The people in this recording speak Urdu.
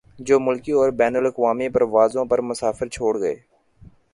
جو ملکی اور بین الاقوامی پروازوں پر مسافر چھوڑ گئے